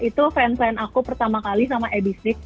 itu fansign aku pertama kali sama ab enam ix